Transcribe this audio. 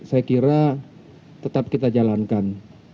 saya kira tetap kita jalankan